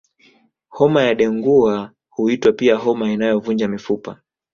Homa ya dengua huitwa pia homa inayovunja mifupa